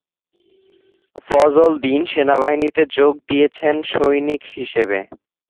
ফজল দ্বীন সেনাবাহিনীতে যোগ দিয়েছেন সৈনিক হিসেবে।